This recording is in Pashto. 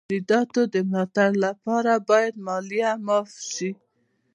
د کورنیو تولیداتو د ملا تړ لپاره باید مالیه معاف سي.